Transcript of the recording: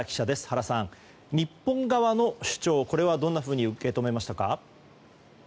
原さん、日本側の主張はどんなふうに受け止めましたか？